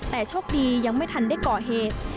แต่โชคดียังไม่ทันได้ก่อเหตุ